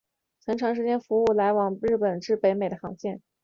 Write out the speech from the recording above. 曾长时间服务来往日本至北美的航线。